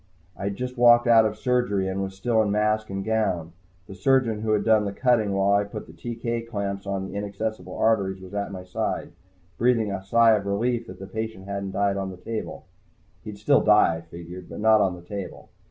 I'd just walked out of surgery, and was still in mask and gown. The surgeon who had done the cutting while I had put TK clamps on the inaccessible arteries was at my side, breathing a sigh of relief that the patient hadn't died on the table. He'd still die, I figured, but not on the table.